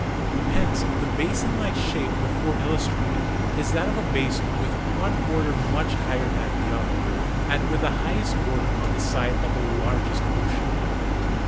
Hence the basin like shape before illustrated is that of a basin with one border much higher than the other; and with the highest border on the side of the largest ocean.